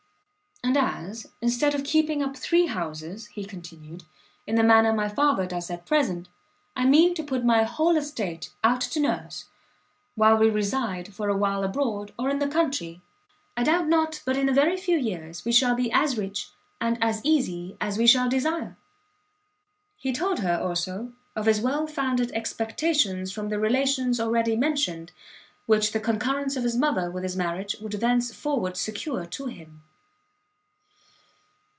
"And as, instead of keeping up three houses," he continued, "in the manner my father does at present, I mean to put my whole estate out to nurse, while we reside for a while abroad, or in the country, I doubt not but in a very few years we shall be as rich and as easy as we shall desire." He told her, also, of his well founded expectations from the Relations already mentioned; which the concurrence of his mother with his marriage would thence forward secure to him.